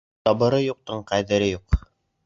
Сабыры юҡтың ҡәҙере юҡ.